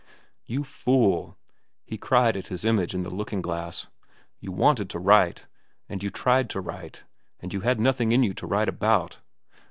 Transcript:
"You fool!" he cried at his image in the looking glass. "You wanted to write, and you tried to write, and you had nothing in you to write about.